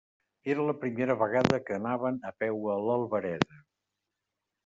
Era la primera vegada que anaven a peu a l'Albereda.